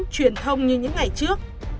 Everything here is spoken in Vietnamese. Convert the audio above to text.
truyền thông như những ngày trước